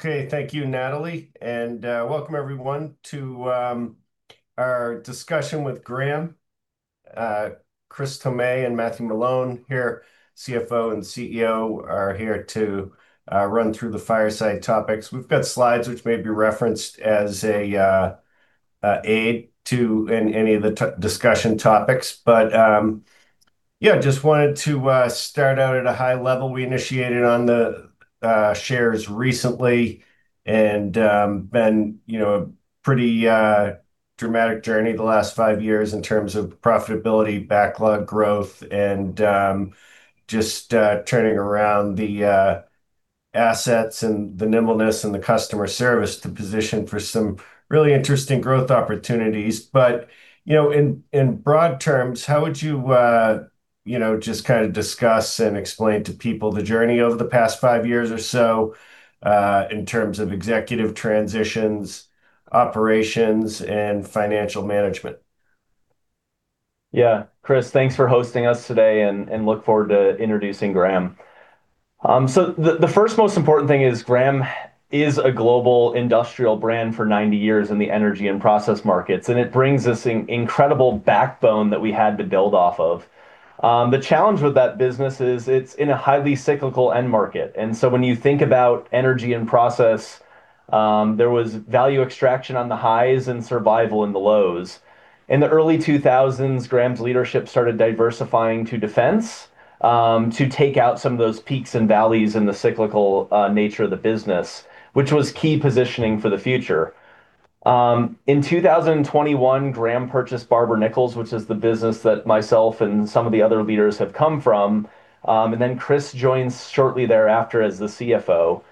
Okay, thank you, Natalie. Welcome everyone to our discussion with Graham. Chris Thome and Matthew Malone here, CFO and CEO are here to run through the fireside topics. We've got slides which may be referenced as a aid to in any of the discussion topics. Yeah, just wanted to start out at a high level. We initiated on the shares recently, been, you know, pretty dramatic journey the last five years in terms of profitability, backlog growth, and just turning around the assets and the nimbleness and the customer service to position for some really interesting growth opportunities. You know, in broad terms, how would you know, just kind of discuss and explain to people the journey over the past five years or so, in terms of executive transitions, operations, and financial management? Chris, thanks for hosting us today, and look forward to introducing Graham. The first most important thing is Graham is a global industrial brand for 90 years in the energy and process markets, and it brings this incredible backbone that we had to build off of. The challenge with that business is it's in a highly cyclical end market. When you think about energy and process, there was value extraction on the highs and survival in the lows. In the early 2000s, Graham's leadership started diversifying to defense, to take out some of those peaks and valleys in the cyclical nature of the business, which was key positioning for the future. In 2021, Graham purchased Barber-Nichols, which is the business that myself and some of the other leaders have come from. Chris joins shortly thereafter as the CFO.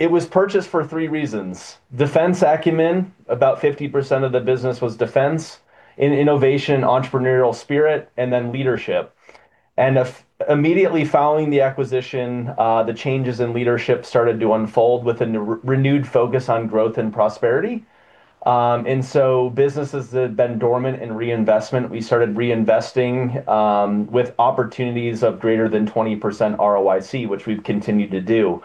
It was purchased for three reasons. Defense acumen, about 50% of the business was defense. Innovation, entrepreneurial spirit, leadership. Immediately following the acquisition, the changes in leadership started to unfold with a renewed focus on growth and prosperity. Businesses that had been dormant in reinvestment, we started reinvesting with opportunities of greater than 20% ROIC, which we've continued to do.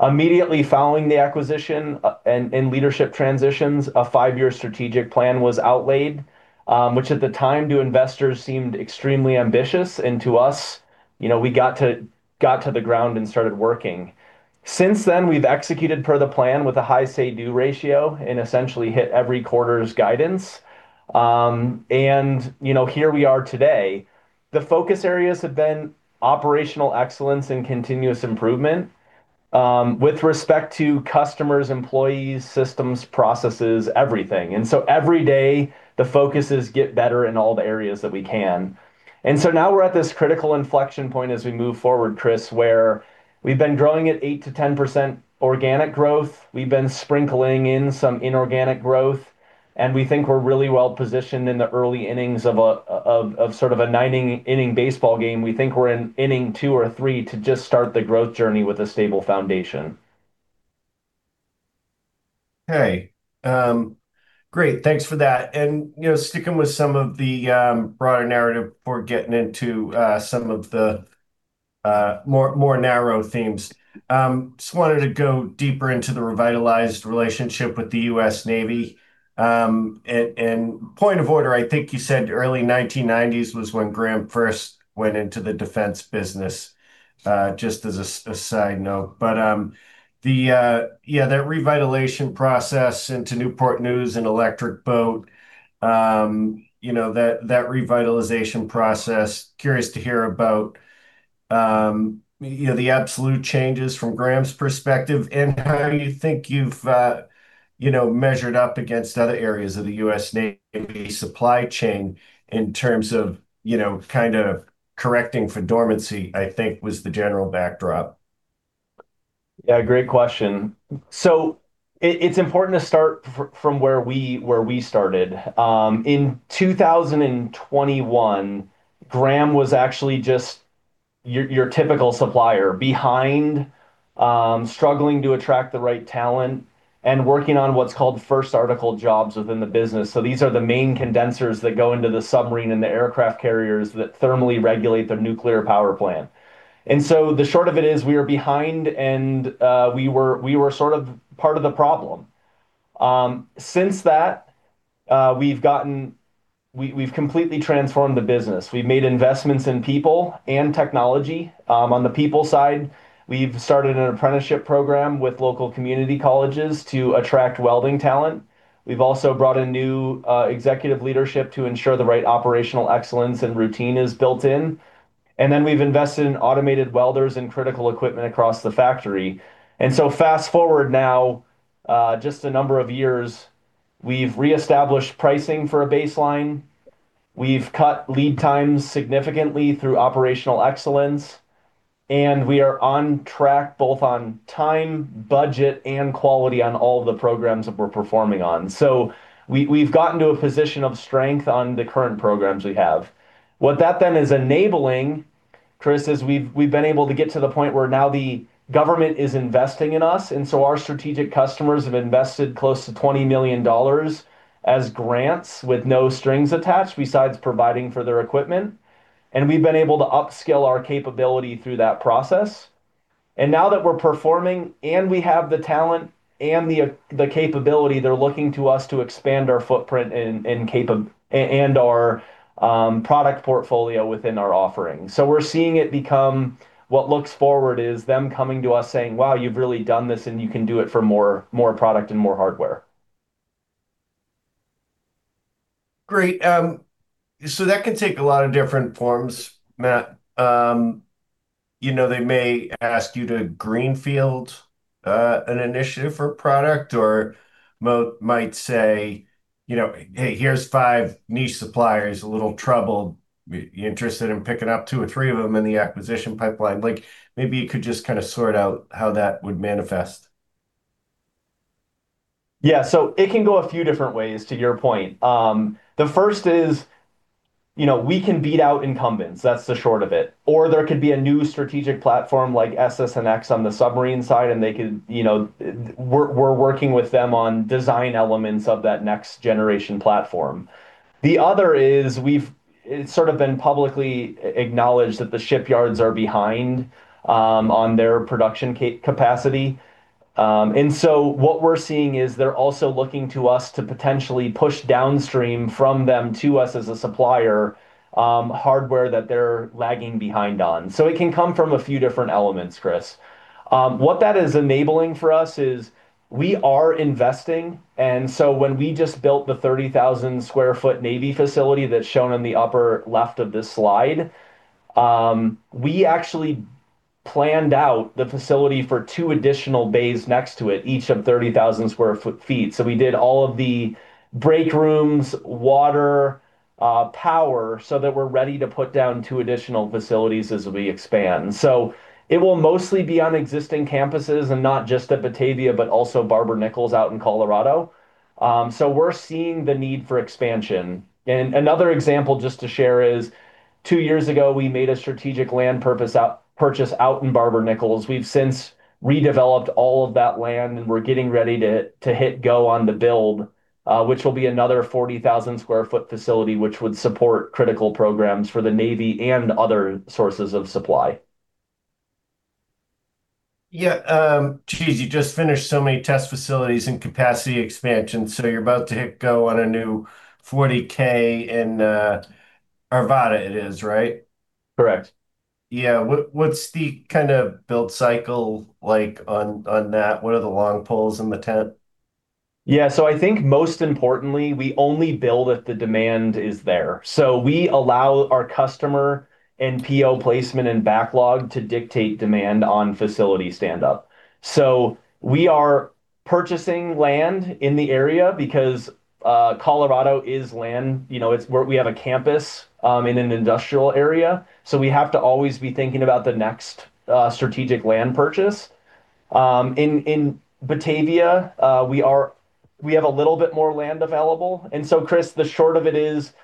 Immediately following the acquisition, and leadership transitions, a three-year strategic plan was outlaid, which at the time to investors seemed extremely ambitious. To us, you know, we got to the ground and started working. Since then, we've executed per the plan with a high say-do ratio, and essentially hit every quarter's guidance. You know, here we are today. The focus areas have been operational excellence and continuous improvement with respect to customers, employees, systems, processes, everything. Every day the focus is get better in all the areas that we can. Now we're at this critical inflection point as we move forward, Chris, where we've been growing at 8%-10% organic growth. We've been sprinkling in some inorganic growth, and we think we're really well-positioned in the early innings of a sort of a nine-inning baseball game. We think we're in inning two or three to just start the growth journey with a stable foundation. Okay. Great. Thanks for that. You know, sticking with some of the broader narrative before getting into some of the more narrow themes. Just wanted to go deeper into the revitalized relationship with the U.S. Navy. Point of order, I think you said early 1990s was when Graham first went into the defense business, just as a side note. The revitalization process into Newport News and Electric Boat, you know, that revitalization process, curious to hear about, you know, the absolute changes from Graham's perspective and how you think you've, you know, measured up against other areas of the U.S. Navy supply chain in terms of, you know, kind of correcting for dormancy, I think was the general backdrop. Yeah, great question. It's important to start from where we started. In 2021, Graham was actually just your typical supplier, behind, struggling to attract the right talent and working on what's called first article jobs within the business. These are the main condensers that go into the submarine and the aircraft carriers that thermally regulate the nuclear power plant. The short of it is we were behind and we were sort of part of the problem. Since that, we've completely transformed the business. We've made investments in people and technology. On the people side, we've started an apprenticeship program with local community colleges to attract welding talent. We've also brought in new executive leadership to ensure the right operational excellence and routine is built in. We've invested in automated welders and critical equipment across the factory. Fast-forward now, just a number of years, we've reestablished pricing for a baseline. We've cut lead times significantly through operational excellence, and we are on track both on time, budget, and quality on all of the programs that we're performing on. We've gotten to a position of strength on the current programs we have. What that then is enabling, Chris, is we've been able to get to the point where now the government is investing in us. Our strategic customers have invested close to $20 million as grants with no strings attached besides providing for their equipment. We've been able to upscale our capability through that process. Now that we're performing and we have the talent and the capability, they're looking to us to expand our footprint and our product portfolio within our offering. We're seeing it become what looks forward is them coming to us saying, "Wow, you've really done this, and you can do it for more product and more hardware. Great. That can take a lot of different forms, Matt. You know, they may ask you to greenfield an initiative or a product, or might say, you know, 'Hey, here's five niche suppliers, a little trouble. Are you interested in picking up two or three of them in the acquisition pipeline?' Like, maybe you could just kind of sort out how that would manifest. It can go a few different ways, to your point. The first is, you know, we can beat out incumbents. That's the short of it. Or there could be a new strategic platform like SSN(X) on the submarine side, and they could, you know, we're working with them on design elements of that next generation platform. The other is we've, it's sort of been publicly acknowledged that the shipyards are behind on their production capacity. What we're seeing is they're also looking to us to potentially push downstream from them to us as a supplier, hardware that they're lagging behind on. It can come from a few different elements, Chris. What that is enabling for us is we are investing. When we just built the 30,000 sq ft U.S. Navy facility that's shown on the upper left of this slide, we actually planned out the facility for two additional bays next to it, each of 30,000 sq ft. We did all of the break rooms, water, power so that we're ready to put down two additional facilities as we expand. It will mostly be on existing campuses, and not just at Batavia, but also Barber-Nichols out in Colorado. We're seeing the need for expansion. Another example just to share is two years ago we made a strategic land purchase out in Barber-Nichols. We've since redeveloped all of that land, and we're getting ready to hit go on the build, which will be another 40,000 sq ft facility which would support critical programs for the Navy and other sources of supply. Yeah. Jeez, you just finished so many test facilities and capacity expansion, so you're about to hit go on a new 40,000 sq ft in Arvada it is, right? Correct. Yeah. What's the kind of build cycle like on that? What are the long poles in the tent? Yeah. I think most importantly, we only build if the demand is there. We allow our customer and PO placement and backlog to dictate demand on facility standup. We are purchasing land in the area because Colorado is land, you know, it's where we have a campus in an industrial area, so we have to always be thinking about the next strategic land purchase. In Batavia, we have a little bit more land available. Chris, the short of it is,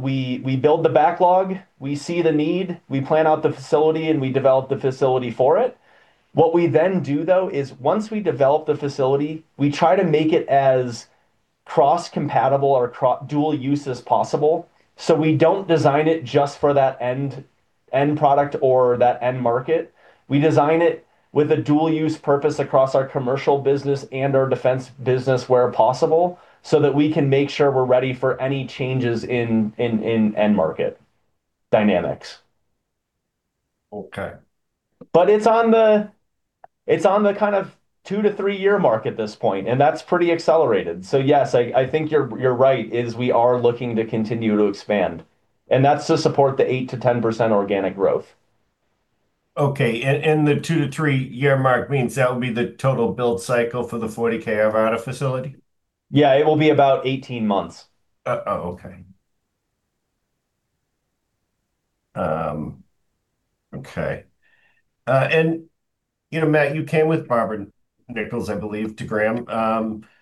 we build the backlog, we see the need, we plan out the facility, and we develop the facility for it. What we then do though is once we develop the facility, we try to make it as cross-compatible or dual use as possible. We don't design it just for that end product or that end market. We design it with a dual use purpose across our commercial business and our defense business where possible so that we can make sure we're ready for any changes in end market dynamics. Okay. It's on the kind of two to three-year mark at this point, and that's pretty accelerated. Yes, I think you're right is we are looking to continue to expand, and that's to support the 8%-10% organic growth. Okay. The two to three-year mark means that would be the total build cycle for the 40,000 sq ft Arvada facility? Yeah. It will be about 18 months. Oh. Oh, okay. Okay. You know, Matt, you came with Barber-Nichols, I believe, to Graham.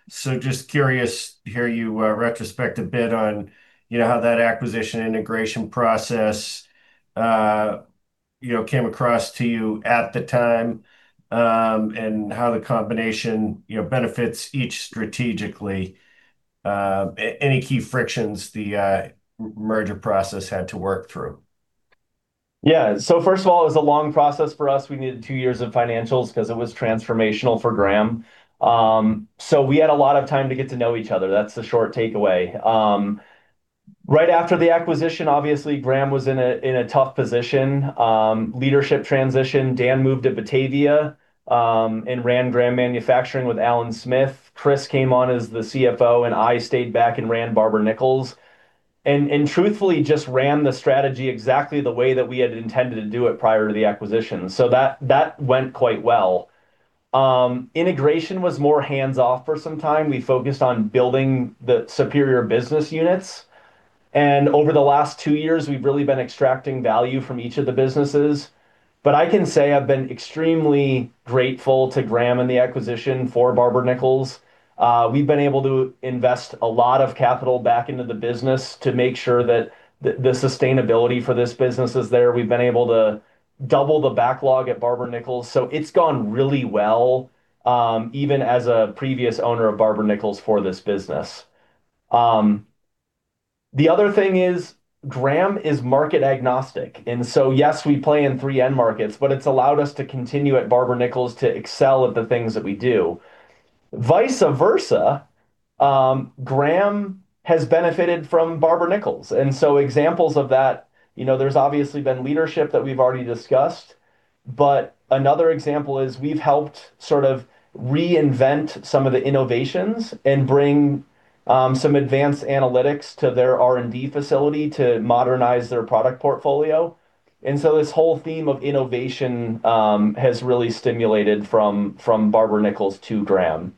Just curious to hear you retrospect a bit on, you know, how that acquisition, integration process, you know, came across to you at the time, and how the combination, you know, benefits each strategically. Any key frictions the merger process had to work through. Yeah. First of all, it was a long process for us. We needed two years of financials 'cause it was transformational for Graham. We had a lot of time to get to know each other. That's the short takeaway. Right after the acquisition, obviously Graham was in a tough position. Leadership transition. Dan moved to Batavia and ran Graham Corporation with Alan Smith. Chris came on as the CFO. I stayed back and ran Barber-Nichols. Truthfully just ran the strategy exactly the way that we had intended to do it prior to the acquisition. That went quite well. Integration was more hands-off for some time. We focused on building the superior business units. Over the last two years we've really been extracting value from each of the businesses. I can say I've been extremely grateful to Graham and the acquisition for Barber-Nichols. We've been able to invest a lot of capital back into the business to make sure that the sustainability for this business is there. Double the backlog at Barber-Nichols, so it's gone really well, even as a previous owner of Barber-Nichols for this business. The other thing is Graham is market agnostic, yes, we play in 3N markets, it's allowed us to continue at Barber-Nichols to excel at the things that we do. Vice versa, Graham has benefited from Barber-Nichols. Examples of that, you know, there's obviously been leadership that we've already discussed, another example is we've helped sort of reinvent some of the innovations and bring some advanced analytics to their R&D facility to modernize their product portfolio. This whole theme of innovation has really stimulated from Barber-Nichols to Graham.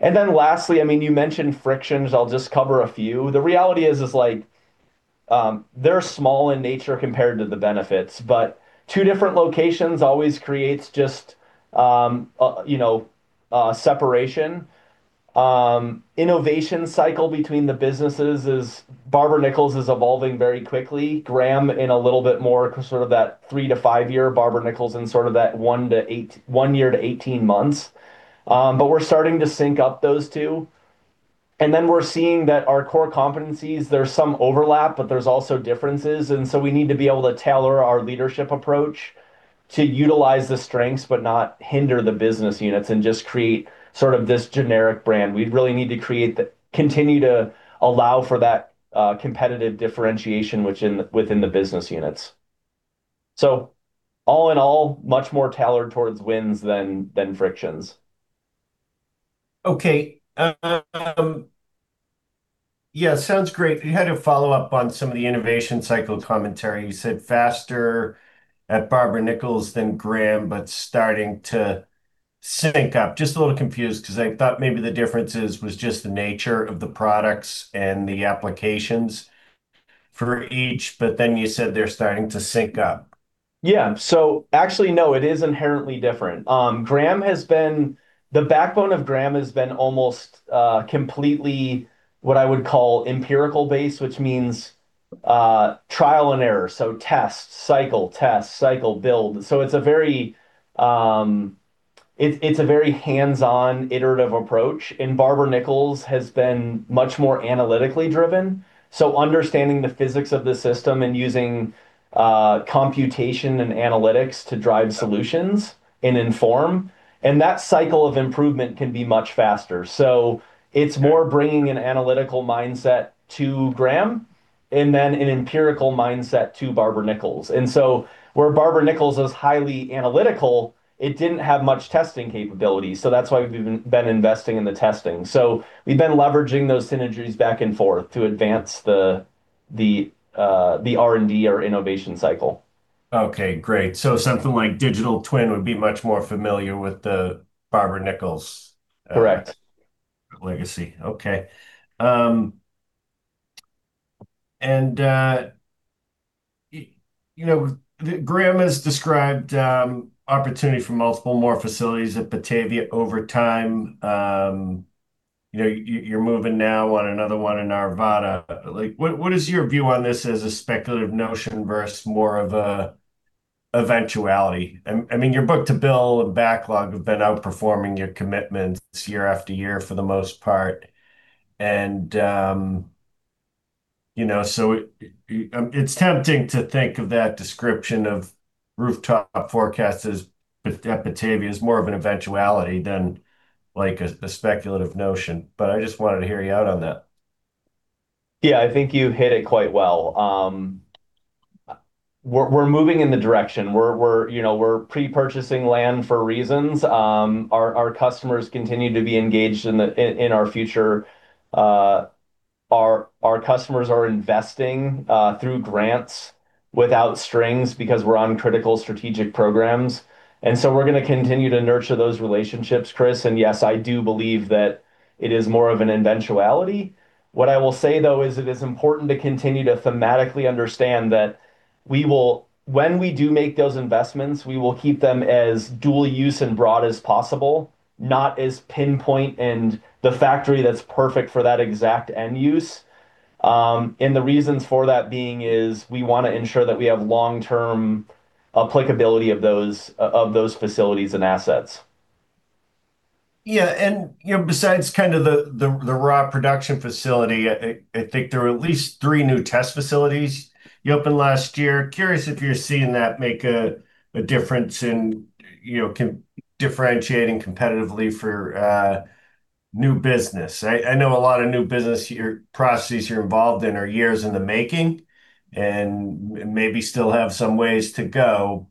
Lastly, I mean, you mentioned frictions. I'll just cover a few. The reality is, like, they're small in nature compared to the benefits, but two different locations always creates just, you know, separation. Innovation cycle between the businesses Barber-Nichols is evolving very quickly. Graham in a little bit more sort of that three to five year, Barber-Nichols in sort of that one year to 18 months. But we're starting to sync up those two. We're seeing that our core competencies, there's some overlap, but there's also differences, we need to be able to tailor our leadership approach to utilize the strengths, but not hinder the business units and just create sort of this generic brand. We really need to continue to allow for that competitive differentiation within the business units. All in all, much more tailored towards wins than frictions. Okay. Yeah, sounds great. You had a follow-up on some of the innovation cycle commentary. You said faster at Barber-Nichols than Graham, but starting to sync up. Just a little confused 'cause I thought maybe the differences was just the nature of the products and the applications for each, but then you said they're starting to sync up. Actually no, it is inherently different. The backbone of Graham has been almost completely what I would call empirical based, which means trial and error. Test, cycle, test, cycle, build. It's a very hands-on iterative approach, and Barber-Nichols has been much more analytically driven. Understanding the physics of the system and using computation and analytics to drive solutions and inform, and that cycle of improvement can be much faster. It's more bringing an analytical mindset to Graham, and then an empirical mindset to Barber-Nichols. Where Barber-Nichols is highly analytical, it didn't have much testing capabilities, so that's why we've been investing in the testing. We've been leveraging those synergies back and forth to advance the R&D or innovation cycle. Okay, great. something like Digital Twin would be much more familiar with the Barber-Nichols. Correct legacy. Okay. You know, Graham has described opportunity for multiple more facilities at Batavia over time. You know, you're moving now on another one in Arvada. Like, what is your view on this as a speculative notion versus more of an eventuality? I mean, your book-to-bill and backlog have been outperforming your commitments year after year for the most part. You know, so it's tempting to think of that description of rooftop forecast at Batavia as more of an eventuality than like a speculative notion. But I just wanted to hear you out on that. Yeah, I think you hit it quite well. We're moving in the direction. We're, you know, we're pre-purchasing land for reasons. Our customers continue to be engaged in our future. Our customers are investing through grants without strings because we're on critical strategic programs. We're gonna continue to nurture those relationships, Chris. Yes, I do believe that it is more of an eventuality. What I will say, though, is it is important to continue to thematically understand that when we do make those investments, we will keep them as dual use and broad as possible, not as pinpoint and the factory that's perfect for that exact end use. The reasons for that being is we wanna ensure that we have long-term applicability of those facilities and assets. Yeah. You know, besides kind of the raw production facility, I think there were at least three new test facilities you opened last year. Curious if you're seeing that make a difference in, you know, differentiating competitively for new business? I know a lot of new business your processes you're involved in are years in the making and maybe still have some ways to go.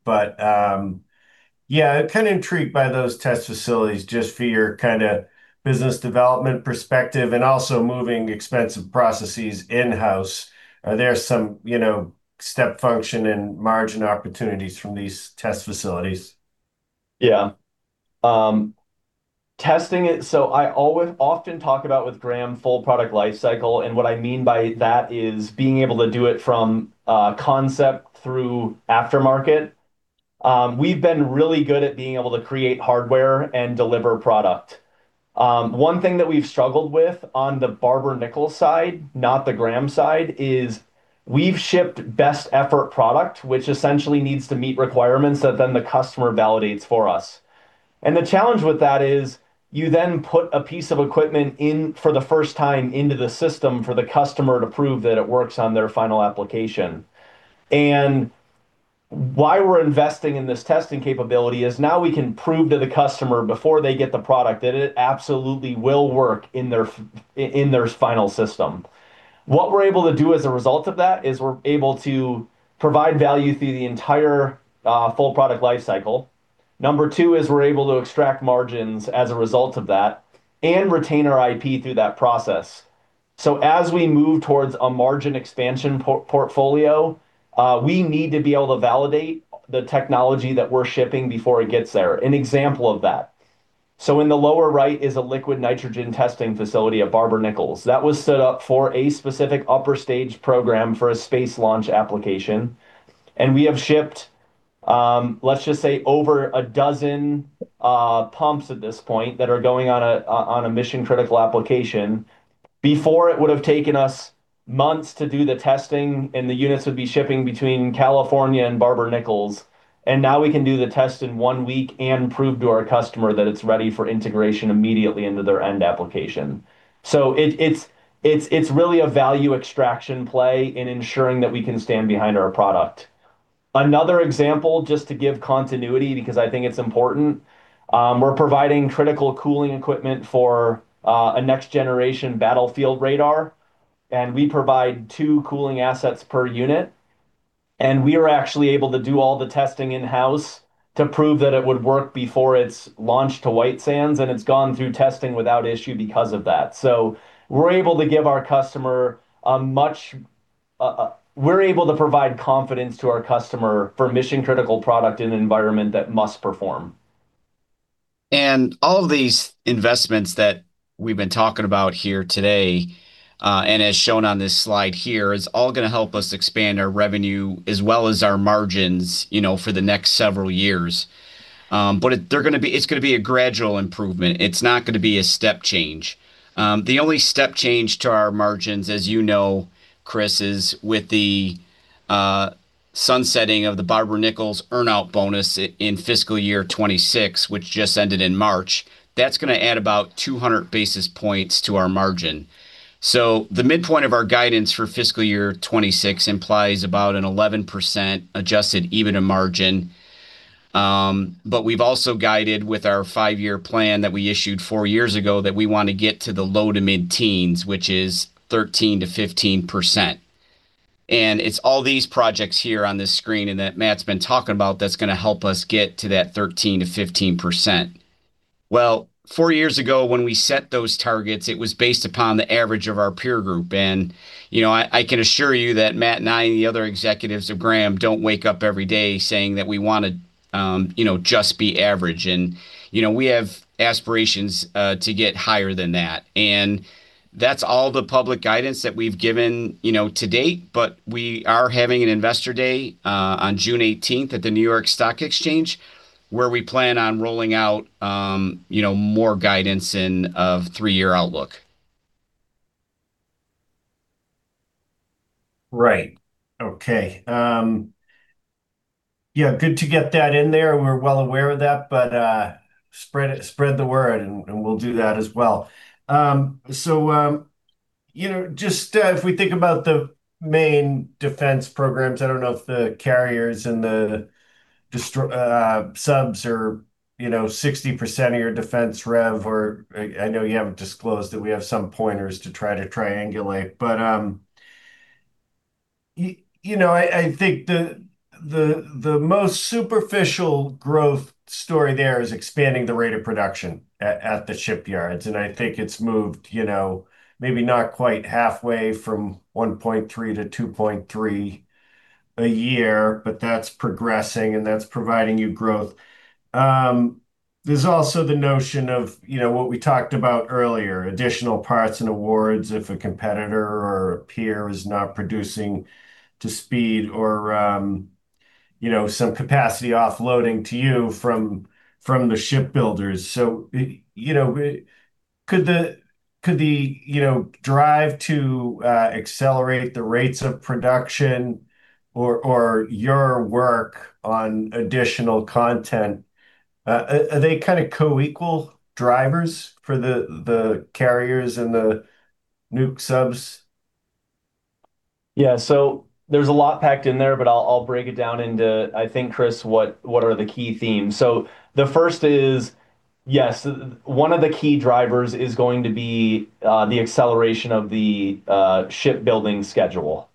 Yeah, kind of intrigued by those test facilities just for your kind of business development perspective and also moving expensive processes in-house. Are there some, you know, step function and margin opportunities from these test facilities? Yeah. Testing it, I often talk about with Graham full product life cycle, what I mean by that is being able to do it from concept through aftermarket. We've been really good at being able to create hardware and deliver product. One thing that we've struggled with on the Barber-Nichols side, not the Graham side, is we've shipped best effort product, which essentially needs to meet requirements that the customer validates for us. The challenge with that is you put a piece of equipment in for the first time into the system for the customer to prove that it works on their final application. Why we're investing in this testing capability is now we can prove to the customer before they get the product that it absolutely will work in their final system. What we're able to do as a result of that is we're able to provide value through the entire full product life cycle. Number two is we're able to extract margins as a result of that, and retain our IP through that process. As we move towards a margin expansion portfolio, we need to be able to validate the technology that we're shipping before it gets there. An example of that. In the lower right is a liquid nitrogen testing facility at Barber-Nichols. That was set up for a specific upper stage program for a space launch application, and we have shipped, let's just say over a dozen pumps at this point that are going on a mission critical application. Before, it would've taken us months to do the testing, the units would be shipping between California and Barber-Nichols, now we can do the test in one week and prove to our customer that it's ready for integration immediately into their end application. It's really a value extraction play in ensuring that we can stand behind our product. Another example, just to give continuity because I think it's important, we're providing critical cooling equipment for a next generation battlefield radar, we provide two cooling assets per unit. We are actually able to do all the testing in-house to prove that it would work before it's launched to White Sands, it's gone through testing without issue because of that. We're able to provide confidence to our customer for mission critical product in an environment that must perform. All of these investments that we've been talking about here today, and as shown on this slide here, is all going to help us expand our revenue as well as our margins, you know, for the next several years. It's going to be a gradual improvement. It's not going to be a step change. The only step change to our margins, as you know, Chris, is with the sunsetting of the Barber-Nichols earn-out bonus in fiscal year 2026, which just ended in March. That's going to add about 200 basis points to our margin. The midpoint of our guidance for fiscal year 2026 implies about an 11% adjusted EBITDA margin. We've also guided with our two-year plan that we issued four years ago that we want to get to the low-to-mid teens, which is 13%-15%. It's all these projects here on this screen and that Matt's been talking about that's going to help us get to that 13%-15%. Four years ago when we set those targets, it was based upon the average of our peer group. You know, I can assure you that Matt and I and the other executives of Graham don't wake up every day saying that we want to, you know, just be average. You know, we have aspirations to get higher than that. That's all the public guidance that we've given, you know, to date. We are having an investor day on June 18th at the New York Stock Exchange, where we plan on rolling out, you know, more guidance and a three-year outlook. Right. Okay. Yeah, good to get that in there. We're well aware of that, spread the word and we'll do that as well. You know, just, if we think about the main defense programs, I don't know if the carriers and the subs are, you know, 60% of your defense rev or, I know you haven't disclosed it. We have some pointers to try to triangulate. You know, I think the most superficial growth story there is expanding the rate of production at the shipyards. I think it's moved, you know, maybe not quite halfway from 1.3 to 2.3 a year, that's progressing and that's providing you growth. There's also the notion of, you know, what we talked about earlier, additional parts and awards if a competitor or a peer is not producing to speed or, you know, some capacity offloading to you from the shipbuilders. You know, could the, you know, drive to accelerate the rates of production or your work on additional content, are they kind of co-equal drivers for the carriers and the nuke subs? Yeah. There's a lot packed in there, but I'll break it down into, I think, Chris, what are the key themes. The first is, yes, one of the key drivers is going to be the acceleration of the shipbuilding schedule.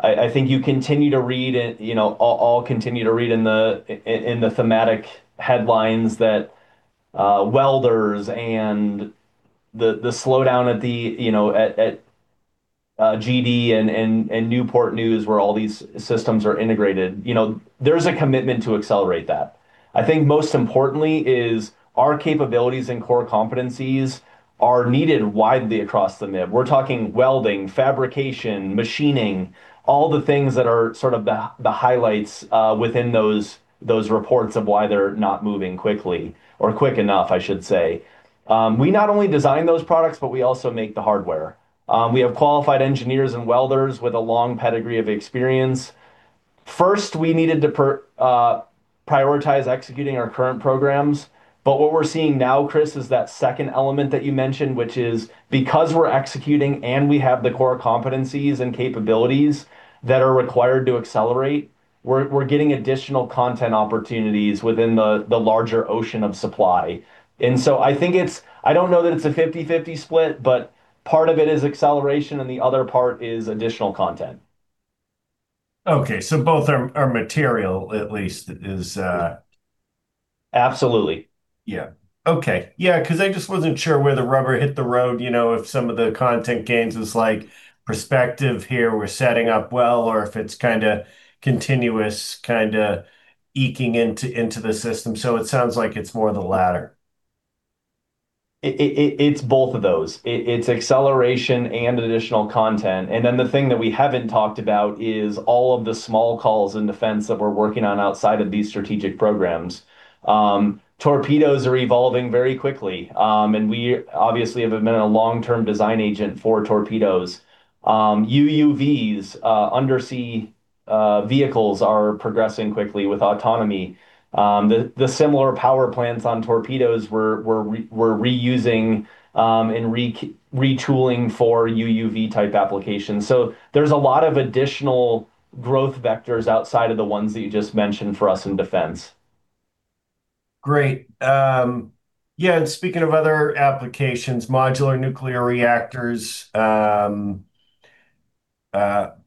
I think you continue to read it, you know, all continue to read in the thematic headlines that welders and the slowdown at GD and Newport News, where all these systems are integrated. There's a commitment to accelerate that. I think most importantly is our capabilities and core competencies are needed widely across the MIL. We're talking welding, fabrication, machining, all the things that are sort of the highlights within those reports of why they're not moving quickly, or quick enough, I should say. We not only design those products, but we also make the hardware. We have qualified engineers and welders with a long pedigree of experience. First, we needed to prioritize executing our current programs, but what we're seeing now, Chris, is that second element that you mentioned, which is because we're executing and we have the core competencies and capabilities that are required to accelerate, we're getting additional content opportunities within the larger ocean of supply. I think it's I don't know that it's a 50/50 split, but part of it is acceleration and the other part is additional content. Okay, both are material at least is. Absolutely. Yeah. Okay. Yeah, 'cause I just wasn't sure where the rubber hit the road, you know, if some of the content gains is, like, perspective here we're setting up well or if it's kinda continuous, kinda eking into the system. It sounds like it's more the latter. It's both of those. It's acceleration and additional content. The thing that we haven't talked about is all of the small calls in defense that we're working on outside of these strategic programs. Torpedoes are evolving very quickly, and we obviously have been a long-term design agent for torpedoes. UUVs, undersea vehicles are progressing quickly with autonomy. The similar power plants on torpedoes we're reusing and retooling for UUV-type applications. There's a lot of additional growth vectors outside of the ones that you just mentioned for us in defense. Great. Yeah, speaking of other applications, modular nuclear reactors,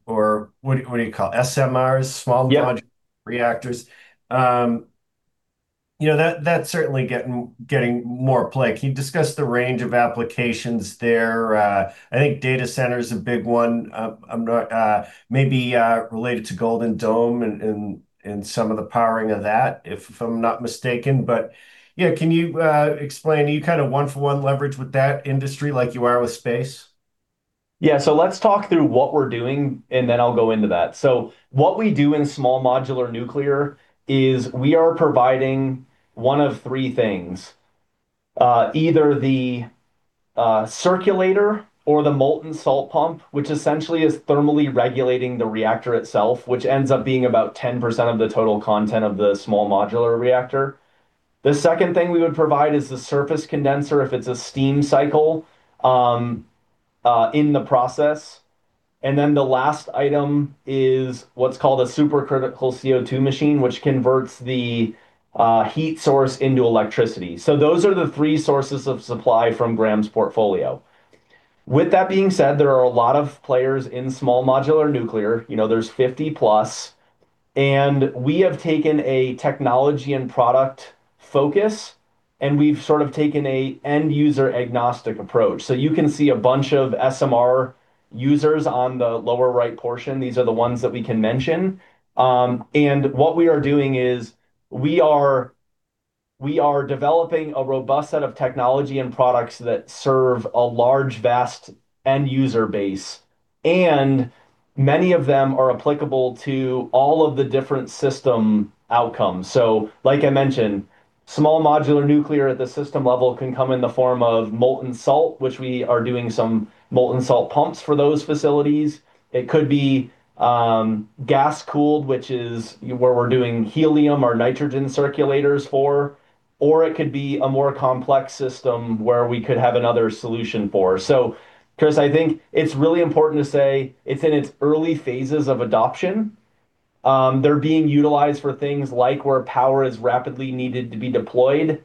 or what do you call, SMRs. Yeah small modular reactors. You know, that's certainly getting more play. Can you discuss the range of applications there? I think data center's a big one. I'm not Maybe related to Golden Dome and some of the powering of that if I'm not mistaken. Yeah, can you explain? Are you kind of one-for-one leverage with that industry like you are with space? Yeah, let's talk through what we're doing, and then I'll go into that. What we do in small modular nuclear is we are providing one of three things. Either the circulator or the molten salt pump, which essentially is thermally regulating the reactor itself, which ends up being about 10% of the total content of the small modular reactor. The second thing we would provide is the surface condenser if it's a steam cycle in the process. The last item is what's called a supercritical CO2 machine, which converts the heat source into electricity. Those are the three sources of supply from Graham's portfolio. With that being said, there are a lot of players in small modular nuclear, you know, there's 50+, and we have taken a technology and product focus, and we've sort of taken a end user agnostic approach. You can see a bunch of SMR users on the lower right portion. These are the ones that we can mention. What we are doing is we are developing a robust set of technology and products that serve a large, vast end user base, and many of them are applicable to all of the different system outcomes. Like I mentioned, small modular nuclear at the system level can come in the form of molten salt, which we are doing some molten salt pumps for those facilities. It could be gas cooled, which is where we're doing helium or nitrogen circulators for, or it could be a more complex system where we could have another solution for. Chris, I think it's really important to say it's in its early phases of adoption. They're being utilized for things like where power is rapidly needed to be deployed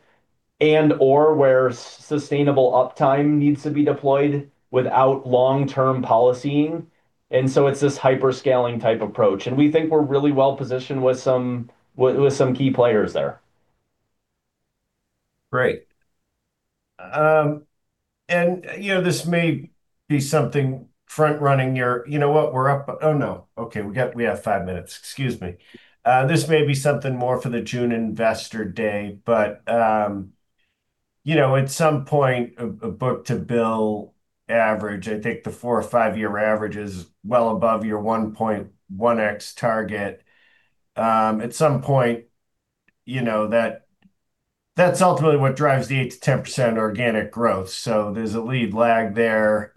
and/or where sustainable uptime needs to be deployed without long-term policing. It's this hyper-scaling type approach, and we think we're really well-positioned with some key players there. Great. You know, this may be something front running or, you know what, Okay, we have five minutes. Excuse me. This may be something more for the June investor day but, you know, at some point, a book-to-bill average, I think the four or five-year average is well above your 1.1x target. At some point, you know, that's ultimately what drives the 8%-10% organic growth. There's a lead lag there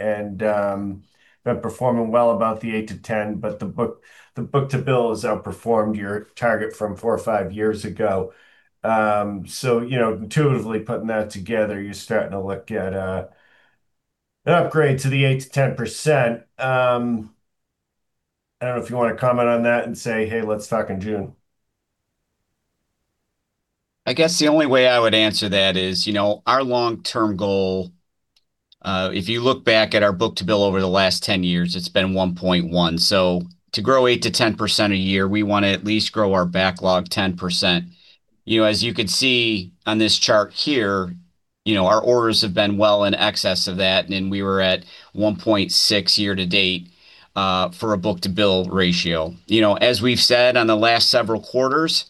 and, been performing well above the 8%-10%, but the book-to-bill has outperformed your target from four or five years ago. You know, intuitively putting that together, you're starting to look at an upgrade to the 8%-10%. I don't know if you want to comment on that and say, "Hey, let's talk in June. I guess the only way I would answer that is, you know, our long-term goal, if you look back at our book-to-bill over the last 10 years, it's been 1.1. To grow 8%-10% a year, we want to at least grow our backlog 10%. You know, as you can see on this chart here, you know, our orders have been well in excess of that, and we were at 1.6 year to date for a book-to-bill ratio. You know, as we've said on the last several quarters,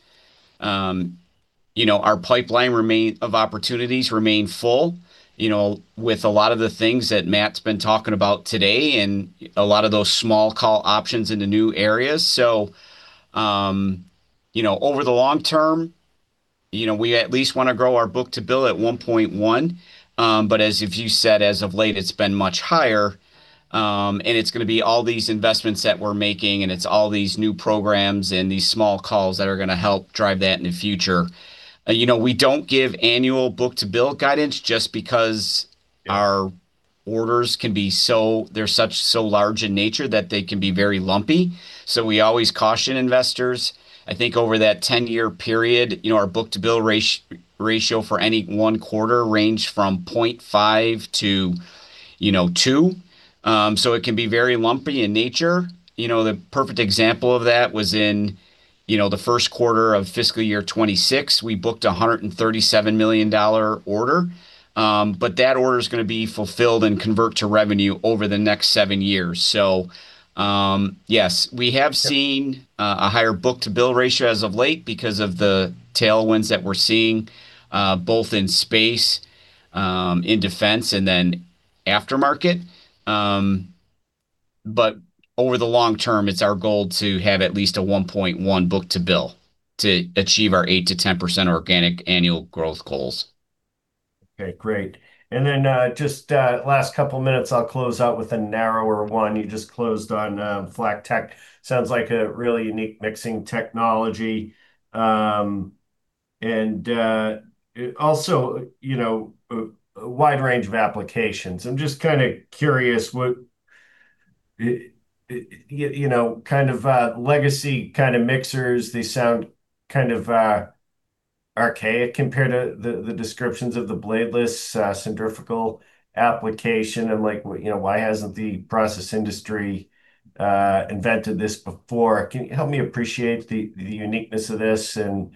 you know, our pipeline of opportunities remain full, you know, with a lot of the things that Matt's been talking about today and a lot of those small call options in the new areas. You know, over the long term, you know, we at least wanna grow our book-to-bill at 1.1. As of late it's been much higher, and it's gonna be all these investments that we're making, and it's all these new programs and these SMRs that are gonna help drive that in the future. You know, we don't give annual book-to-bill guidance just because our orders can be so large in nature that they can be very lumpy. We always caution investors. I think over that 10-year period, you know, our book-to-bill ratio for any one quarter range from 0.5 to, you know, 2. It can be very lumpy in nature. You know, the perfect example of that was in, you know, the first quarter of fiscal year 2026, we booked a $137 million order, but that order is gonna be fulfilled and convert to revenue over the next seven years. Yes, we have seen a higher book-to-bill ratio as of late because of the tailwinds that we're seeing both in space, in defense and then aftermarket. Over the long term, it's our goal to have at least a 1.1 book-to-bill to achieve our 8%-10% organic annual growth goals. Okay, great. Just last couple minutes, I'll close out with a narrower one. You just closed on FlackTek. Sounds like a really unique mixing technology, and it also, you know, a wide range of applications. I'm just kinda curious what, you know, kind of legacy kinda mixers, they sound kind of archaic compared to the descriptions of the bladeless centrifugal application. You know, why hasn't the process industry invented this before? Can you help me appreciate the uniqueness of this and,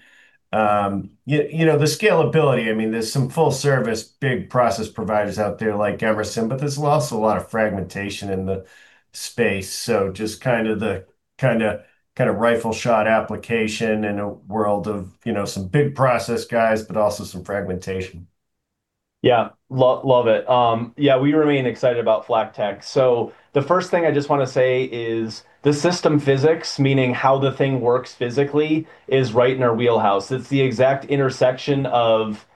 you know, the scalability? I mean, there's some full service, big process providers out there like Emerson, but there's also a lot of fragmentation in the space. Just kinda the kinda rifle shot application in a world of, you know, some big process guys, but also some fragmentation. Love it. We remain excited about FlackTek. The first thing I just wanna say is the system physics, meaning how the thing works physically, is right in our wheelhouse. It's the exact intersection of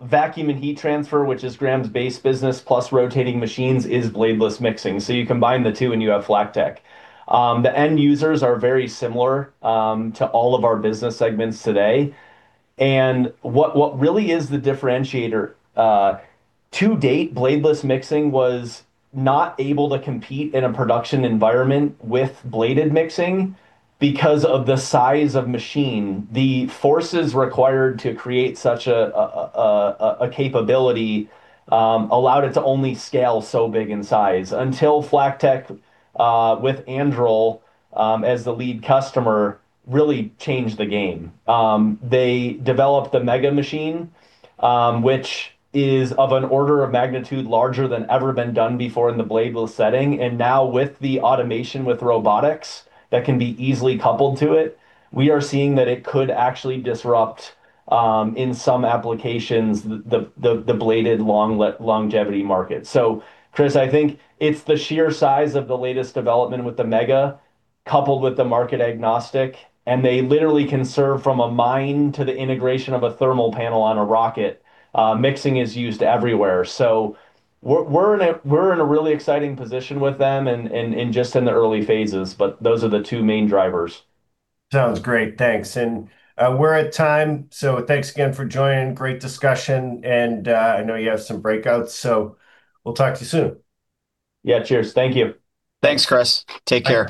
vacuum and heat transfer, which is Graham's base business, plus rotating machines, is bladeless mixing. You combine the two, and you have FlackTek. The end users are very similar to all of our business segments today. What really is the differentiator to date, bladeless mixing was not able to compete in a production environment with bladed mixing because of the size of machine. The forces required to create such a capability allowed it to only scale so big in size until FlackTek with Anduril as the lead customer, really changed the game. They developed the mega machine, which is of an order of magnitude larger than ever been done before in the bladeless setting. Now with the automation, with robotics, that can be easily coupled to it, we are seeing that it could actually disrupt, in some applications, the, the bladed long longevity market. Chris, I think it's the sheer size of the latest development with the mega coupled with the market agnostic, and they literally can serve from a mine to the integration of a thermal panel on a rocket. Mixing is used everywhere. We're in a really exciting position with them and just in the early phases, but those are the two main drivers. Sounds great. Thanks. We're at time, so thanks again for joining. Great discussion. I know you have some breakouts, so we'll talk to you soon. Yeah. Cheers. Thank you. Thanks, Chris. Take care.